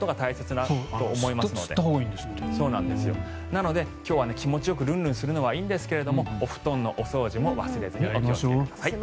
なので今日は気持ちよくルンルンするのはいいですがお布団のお掃除も忘れずにお気をつけください。